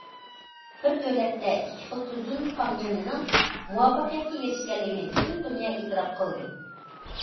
‹‹ بىر دۆلەتتە ئىككى خىل تۈزۈم›› فاڭجېنىنىڭ مۇۋەپپەقىيەتكە ئېرىشكەنلىكىنى پۈتۈن دۇنيا ئېتىراپ قىلدى.